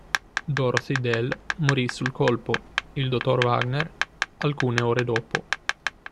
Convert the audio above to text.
Dorothy Dell morì sul colpo, il dottor Wagner alcune ore dopo.